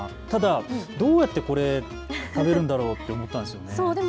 ただどうやってこれ食べるんだろうと思ったんです。